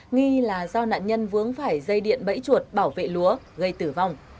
nghi là do nạn nhân vướng phải dây điện bẫy chuột bảo vệ lúa gây tử vong